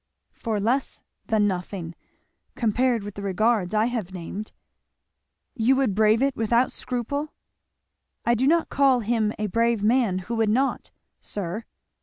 "For less than nothing compared with the regards I have named." "You would brave it without scruple?" "I do not call him a brave man who would not, sir."